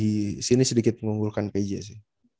di sini sedikit mengunggulkan pj sih